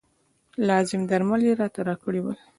لازم درمل یې راته راکړي ول.